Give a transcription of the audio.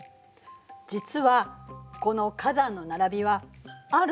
実はこの火山の並びはある